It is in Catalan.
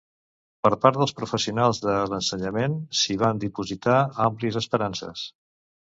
Per part dels professionals de l’ensenyament s’hi van dipositar àmplies esperances.